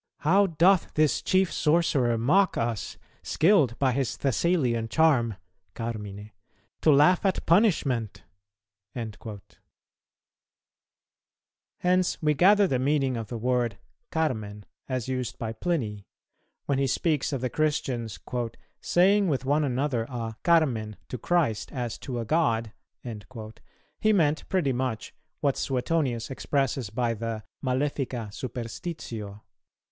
How doth this chief sorcerer mock us, skilled by his Thessalian charm (carmine) to laugh at punishment."[230:1] Hence we gather the meaning of the word "carmen" as used by Pliny; when he speaks of the Christians "saying with one another a carmen to Christ as to a god," he meant pretty much what Suetonius expresses by the "malefica superstitio."